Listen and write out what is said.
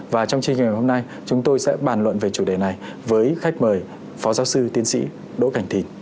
và trong chương trình ngày hôm nay chúng tôi sẽ bàn luận về chủ đề này với khách mời phó giáo sư tiến sĩ đỗ cảnh thình